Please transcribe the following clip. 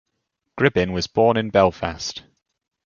Gribbin was born in Belfast.